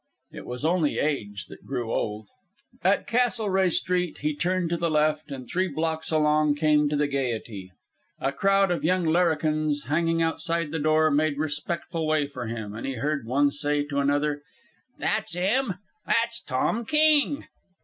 It was only Age that grew old. At Castlereagh Street he turned to the left, and three blocks along came to the Gayety. A crowd of young larrikins hanging outside the door made respectful way for him, and he heard one say to another: "That's 'im! That's Tom King!"